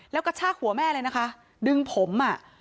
แล้วกระชากหัวแม่เลยนะคะดึงผมอ่ะ